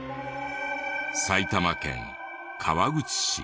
埼玉県川口市。